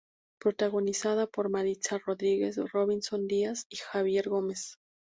Protagonizada por Maritza Rodríguez, Robinson Díaz y Javier Gómez.